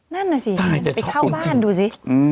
นั่นน่ะสิไปเช่าบ้านดูสิ